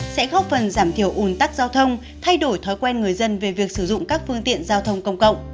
sẽ góp phần giảm thiểu ủn tắc giao thông thay đổi thói quen người dân về việc sử dụng các phương tiện giao thông công cộng